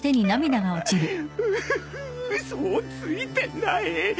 嘘をついてない。